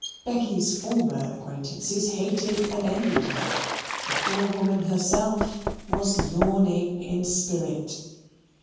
Becky's former acquaintances hated and envied her; the poor woman herself was yawning in spirit.